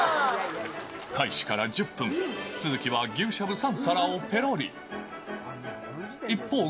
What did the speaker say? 開始から１０分、鈴木は牛しゃぶ３皿をぺろり。